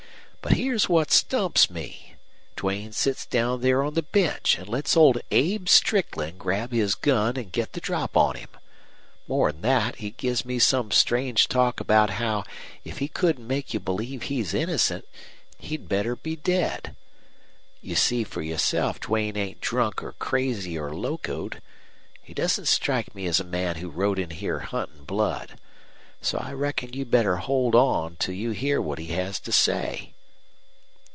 But here's what stumps me. Duane sits down there on the bench and lets old Abe Strickland grab his gun ant get the drop on him. More'n that, he gives me some strange talk about how, if he couldn't make you believe he's innocent, he'd better be dead. You see for yourself Duane ain't drunk or crazy or locoed. He doesn't strike me as a man who rode in here huntin' blood. So I reckon you'd better hold on till you hear what he has to say."